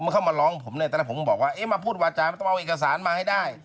เขามาร้องผมแต่ผมบอกว่ามาพูดวาจารย์ต้องเอาเอกสารมาให้ได้